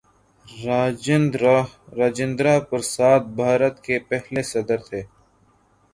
راجندرہ پرساد بھارت کے پہلے صدر تھے.